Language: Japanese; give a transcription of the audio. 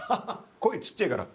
声ちっちぇから。